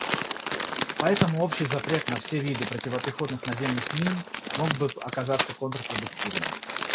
Поэтому общий запрет на все виды противопехотных наземных мин мог бы оказаться контрпродуктивным.